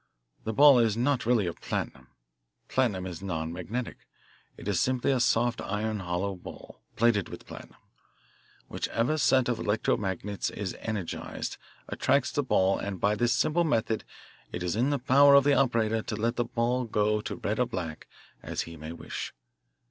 This ball is not really of platinum. Platinum is nonmagnetic. It is simply a soft iron hollow ball, plated with platinum. Whichever set of electro magnets is energised attracts the ball and by this simple method it is in the power of the operator to let the ball go to red or black as he may wish.